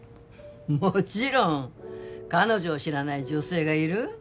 もちろん彼女を知らない女性がいる？